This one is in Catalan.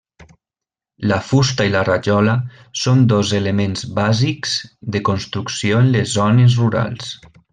La fusta i la rajola són dos elements bàsics de construcció en les zones rurals.